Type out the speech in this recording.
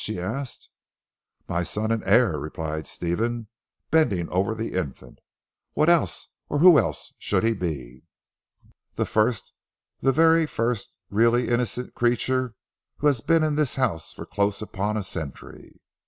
she asked. "My son and heir," replied Stephen, bending over the infant, "what else, or who else should he be?" "The first the very first really innocent creature who has been in this house for close upon a century."